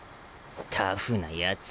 タフなやつ。